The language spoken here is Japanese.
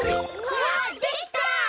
わあできた！